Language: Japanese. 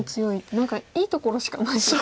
何かいいところしかないですね。